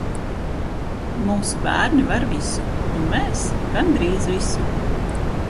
Mūsu bērni var visu, un mēs- gandrīz visu!